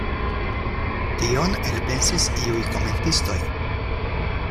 Tion elpensis iuj komentistoj.